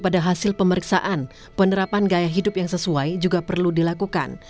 pada hasil pemeriksaan penerapan gaya hidup yang sesuai juga perlu dilakukan